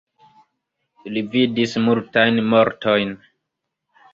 Li vidis multajn mortojn.